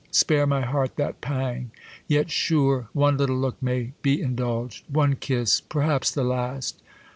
Spare my heart that pang. Yet sure, one little look m^y be indulged ; One kiss ; perhaps the last.